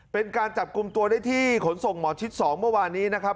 เป็นการจับกลุ่มตัวได้ที่ขนส่งหมอชิด๒เมื่อวานนี้นะครับ